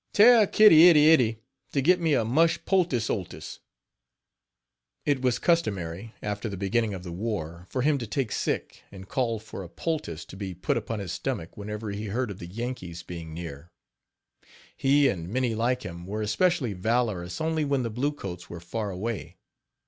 "Tell Kitty ity ity to get me a mush poultice oltice." It was customary, after the beginning of the war, for him to take sick, and call for a poultice to be put upon his stomach whenever he heard of the Yankees being near. He and many like him were especially valorous only when the blue coats were far away.